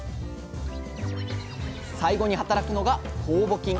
最後に働くのが酵母菌。